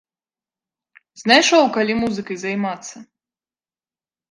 Знайшоў калі музыкай займацца!